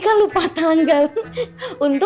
tadi kita itu